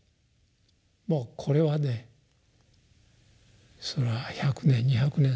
もうこれはねそれは１００年２００年